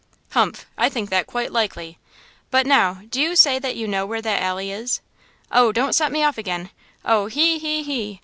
"Humph. I think that quite likely! But now, do you say that you know where that alley is?" "Oh, don't set me off again! Oh, he! he! he!